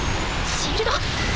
シールド？